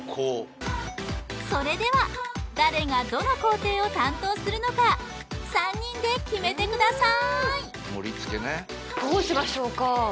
それでは誰がどの工程を担当するのか３人で決めてくださいどうしましょうか？